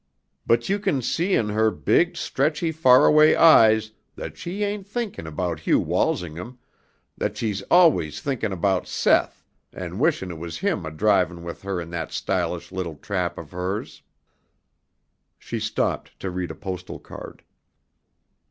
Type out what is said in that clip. "But you can see in her big, stretchy faraway eyes that she ain't thinkin' about Hugh Walsingham, that she's always thinkin' about Seth and wishin' it was him a drivin' with her in that stylish little trap of hers." She stopped to read a postal card.